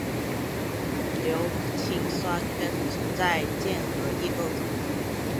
硫氰酸根存在键合异构体。